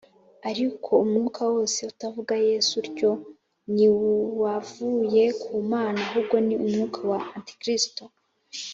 ariko umwuka wose utavuga Yesu utyo ntiwavuye ku Mana, ahubwo ni umwuka wa Antikristo